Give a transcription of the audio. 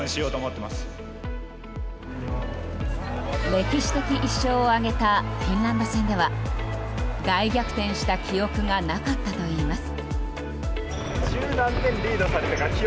歴史的１勝を挙げたフィンランド戦では大逆転した記憶がなかったといいます。